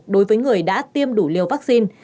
đối với người đã tiêm đủ liều vaccine